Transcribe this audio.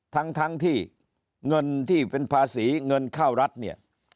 ทั้งที่เงินที่เป็นภาษีเงินเข้ารัฐเนี่ย